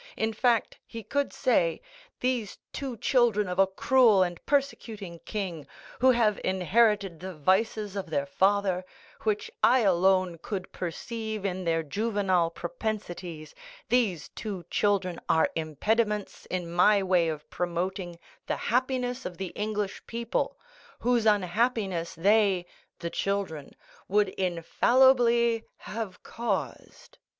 in fact, he could say, 'These two children of a cruel and persecuting king, who have inherited the vices of their father, which I alone could perceive in their juvenile propensities—these two children are impediments in my way of promoting the happiness of the English people, whose unhappiness they (the children) would infallibly have caused.